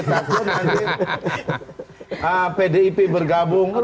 takut lagi pdip bergabung